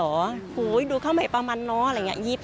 โอ้โหดูข้าวใหม่ปลามันเนาะอะไรอย่างนี้